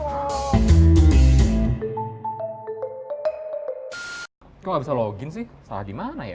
kalau gak bisa login sih salah di mana ya